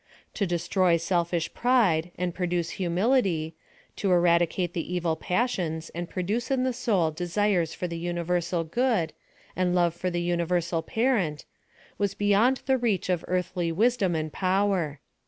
To destroy selfish pride, and produce humility — to eradicate the evil passions, and produce in the soul desires for the universal good, and love for the universa) Parent, was beyond the reach of earthly wisdom aiid jX)wer.